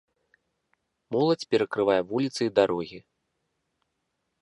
Моладзь перакрывае вуліцы і дарогі.